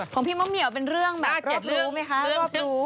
ของพี่มะเหมียวเป็นเรื่องแบบเจ็บรู้ไหมคะรอบรู้